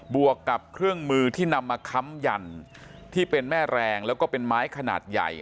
วกกับเครื่องมือที่นำมาค้ำยันที่เป็นแม่แรงแล้วก็เป็นไม้ขนาดใหญ่